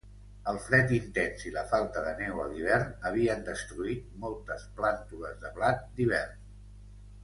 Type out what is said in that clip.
El fred intens i la falta de neu a l'hivern havien destruït moltes plàntules de blat d'hivern.